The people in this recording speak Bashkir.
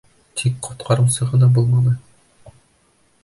Тик ҡотҡарыусы ғына булманы.